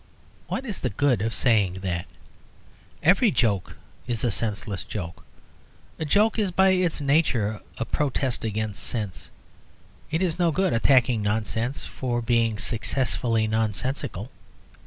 What is the good of saying that? Every joke is a senseless joke. A joke is by its nature a protest against sense. It is no good attacking nonsense for being successfully nonsensical.